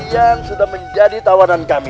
kalian sudah menjadi tawanan kami